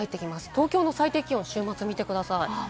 東京の最低気温、週末を見てください。